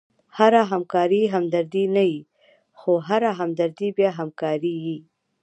هره همکاري همدردي نه يي؛ خو هره همدردي بیا همکاري يي.